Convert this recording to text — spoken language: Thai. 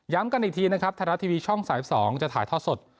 ย้ำกันอีกทีนะครับธนรัฐทีวีช่องสายสองจะถ่ายทอดสด